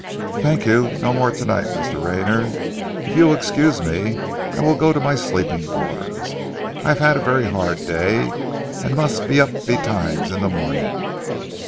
"Thank you, no more tonight, Mr. Rayner. If you will excuse me, I will go to my sleeping quarters. I have had a very hard day, and must be up betimes in the morning."